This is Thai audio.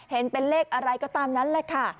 เห็นเป็นเลขอะไรก็ตามนั้นแหละค่ะ